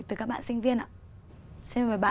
từ các bạn sinh viên ạ xin mời bạn